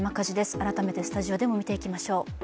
改めてスタジオでも見ていきましょう。